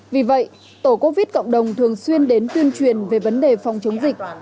vì vậy tổ covid cộng đồng thường xuyên đến tuyên truyền về vấn đề phòng chống dịch